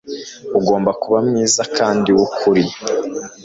ugomba kuba mwiza kandi wukuri